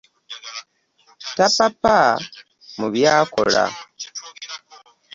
Tapapa mu by’akola.